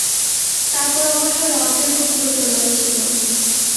তারপর অবশ্য রথের খুব প্রচলন ছিল।